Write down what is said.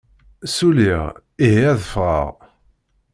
Ssuliɣ, ihi ad ffɣeɣ.